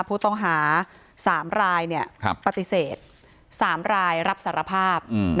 ผู้ต้องหา๓รายปฏิเสธ๓รายรับสารภาพ